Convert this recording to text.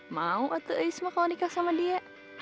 mau atuh isma kalo nikah sama dia